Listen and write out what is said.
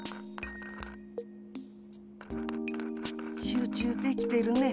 集中できてるね。